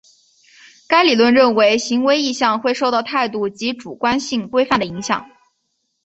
该理论认为行为意向会受到态度及主观性规范的影响。